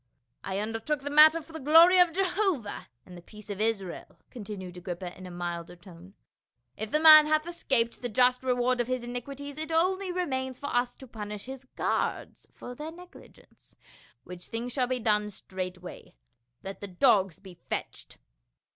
" I undertook the matter for the glory of Jehovah and the peace of Israel," continued Agrippa in a milder tone. " If the man hath escaped the just reward of his iniquities, it only remains for us to punish his guards for their negligence ; which thing shall be done straightway. Let the dogs be fetched."